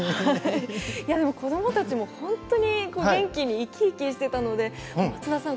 でも子どもたちも本当に元気に生き生きしてたので松田さん